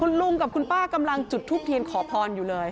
คุณลุงกับคุณป้ากำลังจุดทูปเทียนขอพรอยู่เลย